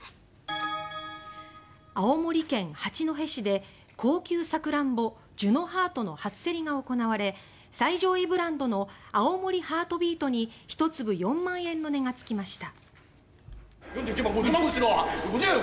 青森県八戸市で高級サクランボジュノハートの初競りが行われ最上位ブランドの青森ハートビートに１粒４万円の値がつきました。